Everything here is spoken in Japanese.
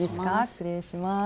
失礼します。